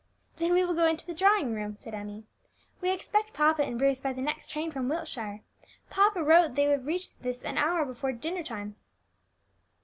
"Then we will go into the drawing room," said Emmie. "We expect papa and Bruce by the next train from Wiltshire. Papa wrote that they would reach this an hour before dinner time."